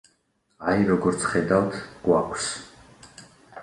აი როგორც ხედავთ, გვაქვს